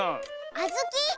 あずき。